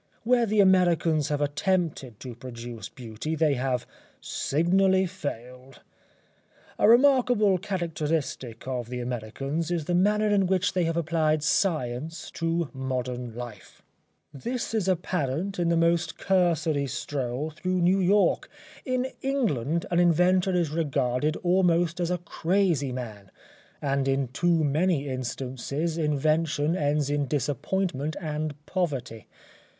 Where the Americans have attempted to produce beauty they have signally failed. A remarkable characteristic of the Americans is the manner in which they have applied science to modern life. This is apparent in the most cursory stroll through New York. In England an inventor is regarded almost as a crazy man, and in too many instances invention ends in disappointment and poverty.